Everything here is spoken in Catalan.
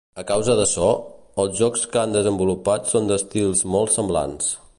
A causa d'açò, els jocs que han desenvolupat són d'estils molt semblants.